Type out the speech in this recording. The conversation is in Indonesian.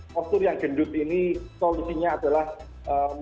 postur yang gendut ini solusinya adalah ee